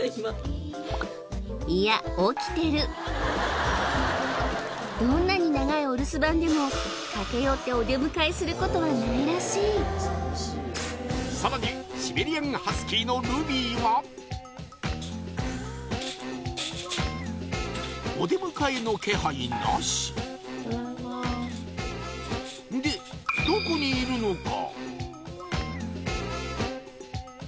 いやどんなに長いお留守番でも駆け寄ってお出迎えすることはないらしいさらにシベリアン・ハスキーのルビーはお出迎えの気配なしただいまんでどこにいるのか？